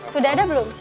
sudah ada belum